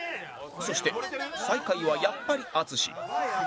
そして最下位はやっぱり淳